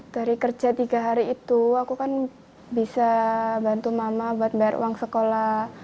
dari kerja tiga hari itu aku kan bisa bantu mama buat bayar uang sekolah